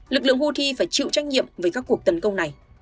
lực lượng houthi phải chịu trách nhiệm về các cuộc tấn công này